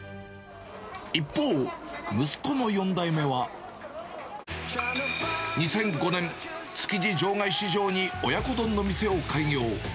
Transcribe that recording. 一方、息子の４代目は、２００５年、築地場外市場に親子丼の店を開業。